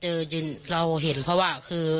ใช่ก็คือที่เราเห็นเพราะว่าคือ